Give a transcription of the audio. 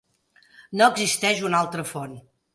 No existeix una altra font.